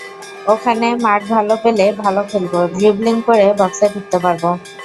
ওখানে মাঠ ভালো পেলে ভালো খেলব, ড্রিবলিং করে বক্সে ঢুকতে পারব।